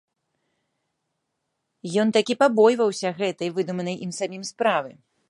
Ён такі пабойваўся гэтай, выдуманай ім самім, справы.